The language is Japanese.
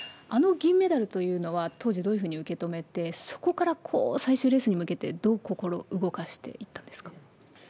あの銀メダルというのは、当時、どういうふうに受け止めて、そこからこう、最終レースに向けて、どう心を動かしていったんですか。